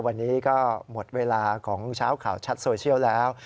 วันนี้ก็หมดเวลาของเช้าข่าวชัดโซเชียลแล้ว